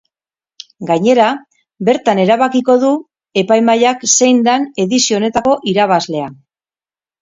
Gainera, bertan erabakiko du epaimahaiak zein den edizio honetako irabazlea.